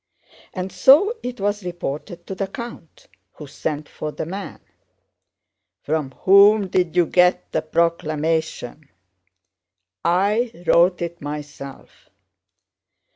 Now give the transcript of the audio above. And so it was reported to the count, who sent for the man. 'From whom did you get the proclamation?' 'I wrote it myself.